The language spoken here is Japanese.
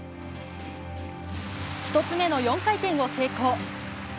１つ目の４回転を成功。